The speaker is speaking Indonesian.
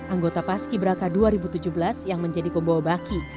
anggota pas kibra k dua ribu tujuh belas yang menjadi pembawa baki